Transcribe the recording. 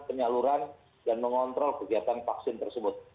penyaluran dan mengontrol kegiatan vaksin tersebut